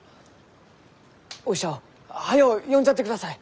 お医者を早う呼んじゃってください！